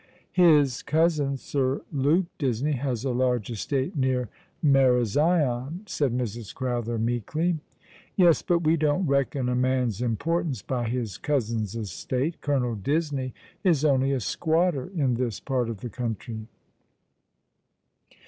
"His cousin, Sir Luke Disney, has a large estate near Marazion," said Mrs. Crowther, meekly. "Yes, but we don't reckon a man's importance by his cousin's estate. Colonel Disney is only a squatter in this part of the country."